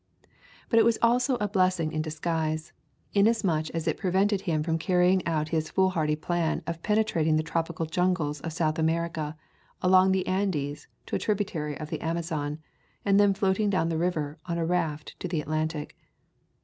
But it was also a blessing in disguise, inasmuch as it prevented him from carrying out his foolhardy plan of penetrating the tropical jungles of South America along the Andes to a tributary of the Amazon, and then floating down the river on a raft to the Atlantic.